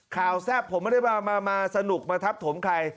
แซ่บผมไม่ได้มาสนุกมาทับถมใคร